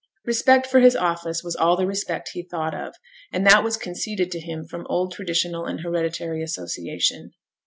Respect for his office was all the respect he thought of; and that was conceded to him from old traditional and hereditary association.